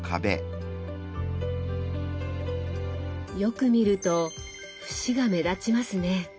よく見ると節が目立ちますね。